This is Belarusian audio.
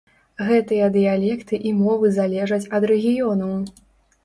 Гэтыя дыялекты і мовы залежаць ад рэгіёну.